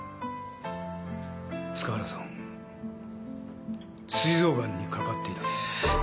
塚原さん膵臓ガンにかかっていたんです。